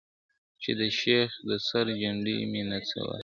چي د شېخ د سر جنډۍ مي نڅوله ..